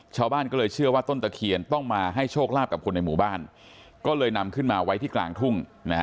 ชาวบ้านก็เลยเชื่อว่าต้นตะเคียนต้องมาให้โชคลาภกับคนในหมู่บ้านก็เลยนำขึ้นมาไว้ที่กลางทุ่ง